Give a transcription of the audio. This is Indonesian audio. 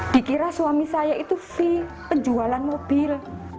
dikira suami saya itu fee penjualan mobil